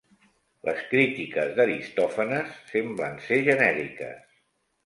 Les crítiques d'Aristòfanes semblen ser genèriques.